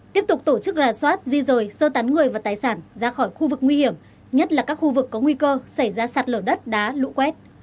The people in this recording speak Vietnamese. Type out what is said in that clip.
tiếp tục tổ chức rà soát di rời sơ tán người và tài sản ra khỏi khu vực nguy hiểm nhất là các khu vực có nguy cơ xảy ra sạt lở đất đá lũ quét